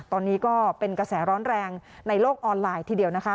ตอนนี้ก็เป็นกระแสร้อนแรงในโลกออนไลน์ทีเดียวนะคะ